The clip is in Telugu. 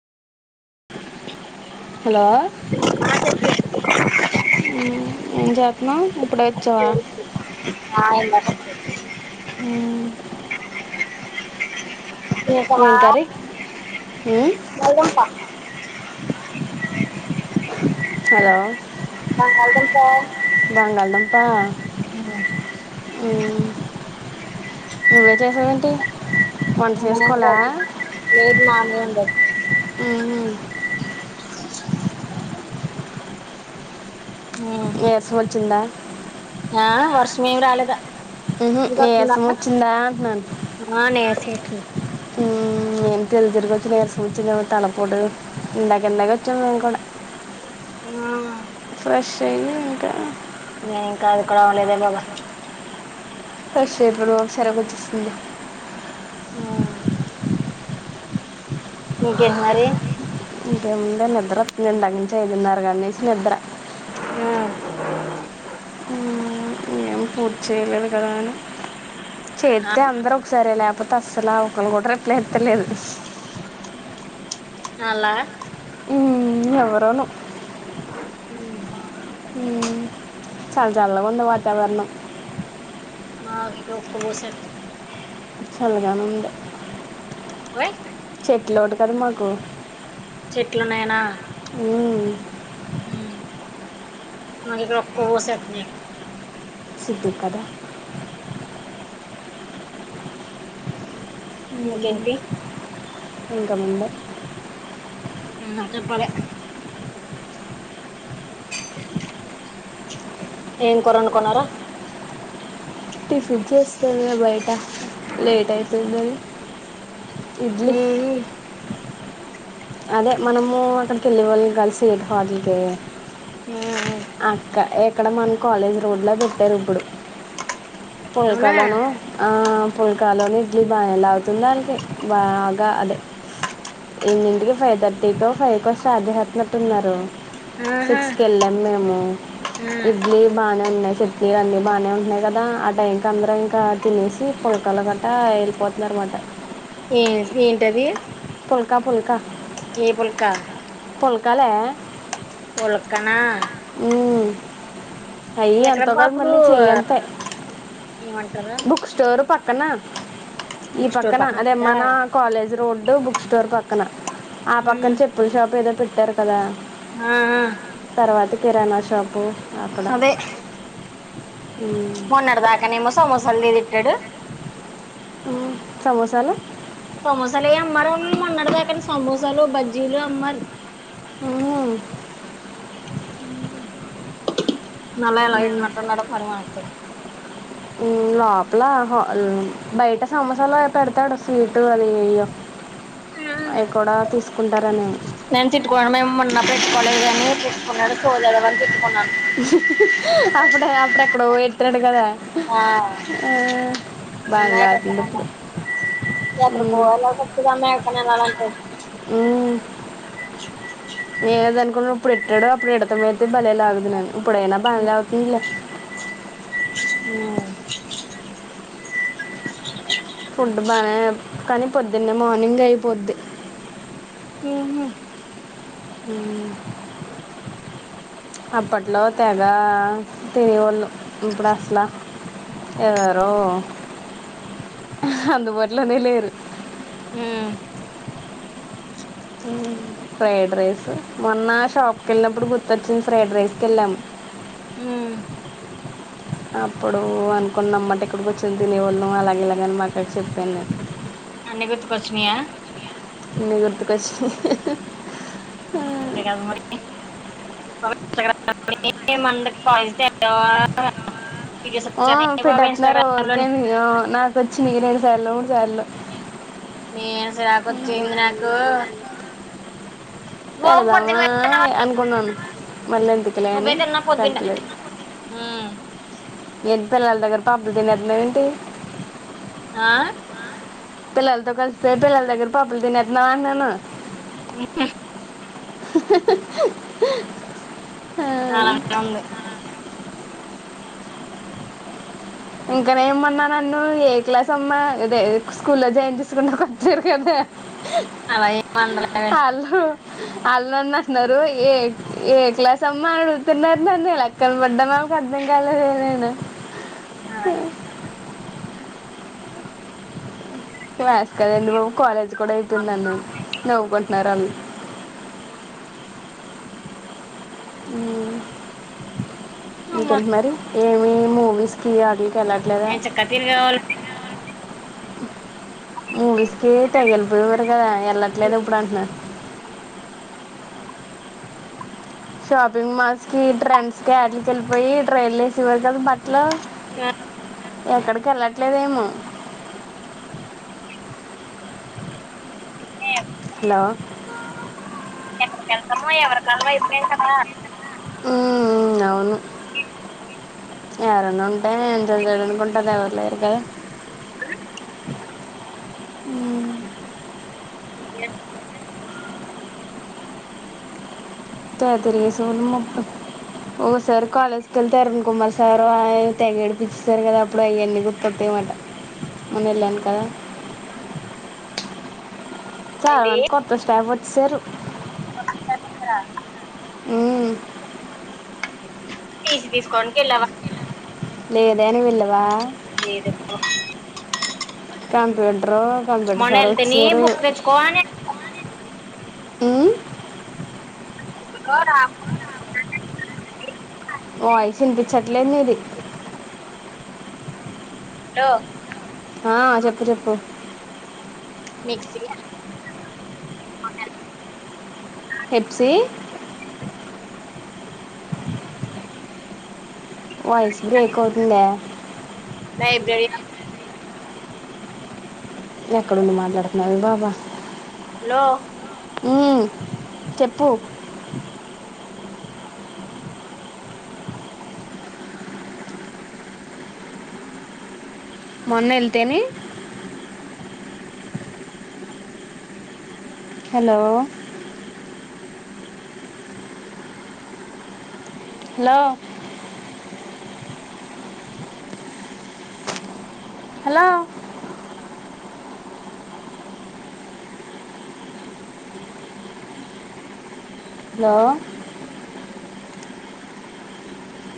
హలో ఏం చేతున్నావ్ ఇప్పుడే వచ్చవా చేసావా ఉ ఇంకా వా ఏం కర్రీ ఉమ్, వెళ్ధంప హలో బంగాళదుంప [unintelligible] నువ్వే చేసవా అ లేదు మామయ్య వండడు ఉహుం, హ్ చింద ఆ వర్షం ఏమి రాలేదూ హ్ హ్ నీరసం వచ్చిందా అంటున్నాను ఆ నీరసం వచ్చింది హు నేను తీరీగివచ్ చిమే తల పోటు లేగ్గా లెగోచ్చ అనుకోండి హ్ చై ఇంకా నేను ఇంకా అది ఇక్కడ ఆడ లేదే బాబా ఫ్రెష్ ఇప్పుడు సరకు వచ్చిస్తుంది హ ఇంకేంటిమారి ఇంకేముందే నిద్ర వస్తుందిం [unintelligible] కానీసి నిద్ర ఆ ఏం పూర్తి చేయలేదు కాదాని చెత్తే అందరు ఒకసారే లే టప్పు ఆస్సల ఒక్కలు కూడా రిప్లై ఇత్తలేదు అలా ఉ ఎవ్వరను హ్ చాల చలాగుంది వాతావరణం మా ఇక్కడ హుక్క పోసే చల్లగాను ఉండే వ ఎట్లఒడుతరు మాకూ చెట్ల నైనా హ్మ హ్మ్ మాదెగ్గర ఒక్కోకసారి అట్నే సిద్ధు కదా ఇంకేంటి ఇంకేముందే ఆ చెప్పాలే ఏం కూర వండుకున్నారు. టిఫిన్ చేస్తున్న బయట లేట్ అయిపోయిందని. ఇడ్లీ ఊ హూ అదే మనమూ అక్కడికి వెళ్ళే వాళ్ళం కలిసీ హోటల్కీ. ఉ అక్క ఎక్ ఇక్కడ మన కాలేజ్ రోడ్లో పెట్టారు ఇప్పుడు. పోయి అవునా కాలవనూ ఆ పొయికాలవని ఇడ్లీ బా ఎలా అవుతుంది వాళ్ళకి బాగా అదె ఎన్నింటికి. ఫై థర్టీకో ఫైకో స్టార్ట్ చేసేస్తున్నట్టు ఉన్నారు ఆహా సిక్స్ కి ఎళ్ళాం మేమూ, ఆ ఇడ్లీ బానే ఉన్నాయి. చట్నీ అన్నీ బాన్నే ఉంటున్నాయి కదా, ఆ టైం కి అందరూ ఇంకా. తినేసీ పులకాలు గట్టా ఎళ్ళిపోతున్నారుమాట. ఎవీ ఫుల్కా ఫుల్కా ఏ పుల్కా ఫుల్కాలే పుల్కనా అయ్యీ ఎక్కడ ఎంతో కాదు మళ్ళీ చెయ్యింతే ఏమంటరూ క్కనా ఈ పక్కన అదే ఉందా మనా కాలేజ్ రోడ్డు బు బుక్ స్టోర్ పక్కన ఆ పక్కన్ చెప్పుల్ షాప్ ఏదో పెట్ ట్టారు కదా ఆ ఆ తర్వాత కిరాణా షాప్ పూ అక్కడ ఉమ్. మొన్నడు దాకానేమో సోమోసాలన్ని తిట్టాడు ఉమ్ సమోసలో సమోసాలు లే అమ్మారు మొన్నటిదాకా నే సమోసాలు బజ్జీలు అమ్మారు ఉహు హుమ్ నల్ ఎలా కకి ఉమ్. మటన్నడం మరుమానతి [unintelligible] అట్లా బయట సమోసాల పెడతాడు స్వీటు అది అయ్యో ఉమ్ నెన్ తిట్కివడమే మొన్న పెఇట్కోద [unintelligible] అన్నాడు హు హు అప్పుడు అప్పుడక్కడోఓ [inaudible] లేడు కదా ఆ మ బాగా అవుతుంది ఇప్పుడు యాత్ర ఉమ్. పోవల మే [unintelligible] స్నానం చేసి ఉ నేనేది అనుకున్నా ఇప్పుడు ఎట్టాడో అప్పుడు ఎడతంమయితే భలే లాగదు ను [unintelligible] ఇప్పుడేనా బంగ్లావతిన్లే [inaudible] అ ఫుడ్ బానే కానీ పొద్దున్నే మార్నింగ్ అయిపోద్ది ఉహు అప్పట్లో తెగ తినేవాళ్ళు ఇప్పుడు అసల ఎవరో ఆహ్ అందుబాటులోనే లేరు ఉమ్ ఉమ్ ఫ్రైడ్ రైస్ మొన్న షాప్ కె వెళ్ళినప్పుడు గుర్తొచ్చింది. ఫ్రైడ్ రైస్కి వెళ్ళాము. ఉమ్ అప్పుడు అనుకున్న అమ్మాట ఇక్కడికి వచ్చింది తినేవాళ్ళు అలాగే ఇలాగని మాకు అడకి చెప్పాను న అన్ని గుర్తుకొచ్చినయా అన్ని గుర్తుకోచ్చనాయ్ హా ఆహా ముంత కదు మరి ఇ మజ [unintelligible] ఆ ఫిడ్డత్న్నారుక లోని నా [unintelligible] వచ్చినాయ్ ఇరవై ఐదు సార్లు సార్లు నేను నేను స సిరాకొచ్చింది నాకో [inaudible] పెడదామా అనుకున్నాను మళ్ళీ ఎందుకలే అని నువ్వే తిన్నావ్ పొద్దున్న పెడతలేదు ఉమ్ ఎంటి పిల్లల దగ్గర పబ్బులు తినదన్నా ఏంటి [unintelligible] ఆ పిల్లలతో కల్సి పిలాలుగరు పబ్బులు తిన్న వన్నాను [unintelligible] ఉహు హు హు ఆ అవును ఇంకానే ఏమన్నా నన్ను ఏ క్లాస్ అమ్మా ఇదే స్కూల్లో జాయిన్ చేసుకుంట వచ్చారు కదా [unintelligible] అలా ఏం ఉండదు లేవే వాళ్ళు వాళ్ళు నన్ను అంటున్నారు ఏ, ఏ క్లాస్ అమ్మ అడుగుతున్నారు నన్ను నే అక్కన పడ్డా నాకు అర్థం కాలేద నేను హ [inaudible] క్లాస్ కా దండి బాబు, కాలేజ్ కూడా అయిపోయింది, నవ్వుకుంటున్నారు వాళ్ళు హమ్ అమ్మ ఇంకేంటి మరి ఏం ఏమో, వీస్కి అది ఎంచక్కా తిరిగే వాళ్ళు మువిస్కి తెగలపు వర [unintelligible] కదా వెళ్ళట్లేదు ఇప్పుడు అంటున్నారు షాపింగ్ మాల్స్ కి ట్రెండ్స్ కి వాటి కి వెళ్ళిపోయి ట్రైల్ వేసేవారు కదా బట్టలు ఎక్కడికి వెళ్ళట్లేదేమో ఏ హెల్లొ ఎక్కడికి వెళ్తాము ఎవరికి వాళ్ళం అయినం కదా ఉమ్ ఉమ్ అవును ఎవరన్న ంటండు కొంటదావర్లేక [unintelligible] హమ్ [inaudible] త తిరిగేసా ముప్పై ఓ సార్ కాలేజ్కి వెళ్తే అరుణ్ కుమార్ సార్ ఆయన తెగడిపిచ్చిస్తారు కదా ఇప్పుడు అయన్నీ గుర్ప్పతాయమాట మొన్న వెళ్ళాను కదా చాల ఏంటి మంది కొత్త staff watch sir you hum TC తీసుకోవడానికి వెళ్ళే వా లేదేని వెల్లవా లేదు కంప్యూటర్ కంప్యూటర్ మొన్న సార్ వెళ్తేనే వచ్చారు బుక్ తెచ్చుకోవాలి ఉమ్ [inaudible] వాయిస్ వినిపించట్లేదు నిది హా ల్లో ఆ చెప్పు చెప్పు నెక్స్ట్ ఇయర్ [inaudible] హెప్ సి వాయిస్ బ్రేక్ అవుతుందే లైబ్రరీ ఎక్కడ ఉండి మాట్లాడుతున్నారు బాబు వాహ హలో ఉమ్ చెప్పు మొన్న ఏళ్తేనే హలో హలో హలో హలో